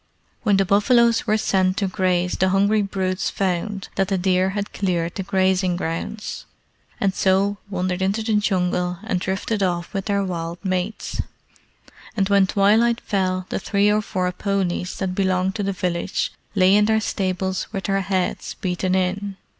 When the buffaloes were sent to graze the hungry brutes found that the deer had cleared the grazing grounds, and so wandered into the Jungle and drifted off with their wild mates; and when twilight fell the three or four ponies that belonged to the village lay in their stables with their heads beaten in.